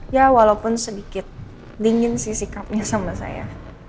ya walaupun sedikit dingin sih sikapnya sama saya